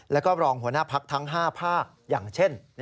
แล้วก็รองหัวหน้าพักทั้ง๕ภาคอย่างเช่น